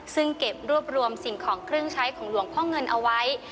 ซึ่งเก็บรวบรวมสิ่งของเครื่องใช้ของหลวงพ่อเงินเอาไว้